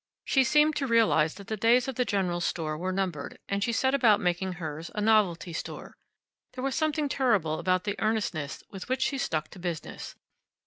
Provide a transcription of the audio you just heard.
She seemed to realize that the days of the general store were numbered, and she set about making hers a novelty store. There was something terrible about the earnestness with which she stuck to business.